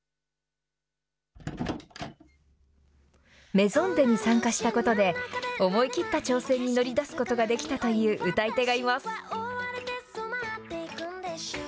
ＭＡＩＳＯＮｄｅｓに参加したことで、思い切った挑戦に乗り出すことができたという歌い手がいます。